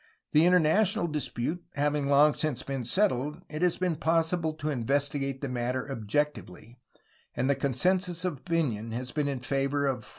The international dispute having long since been settled, it has been possible to investigate the matter objectively, and the consensus of opinion has been in favor of 42°.